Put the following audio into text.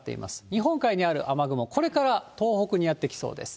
日本海にある雨雲、これから東北にやって来そうです。